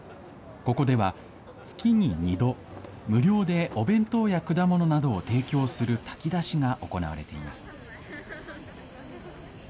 ここでは月に２度、無料でお弁当や果物などを提供する炊き出しが行われています。